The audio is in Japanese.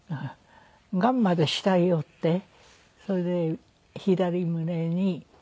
がんまで慕い寄ってそれで左胸に。